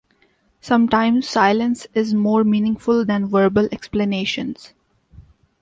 Sometimes silence is more meaningful than verbal explanations.